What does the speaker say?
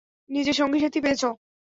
নিজের সঙ্গীসাথী পেয়েছ।